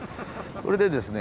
それでですね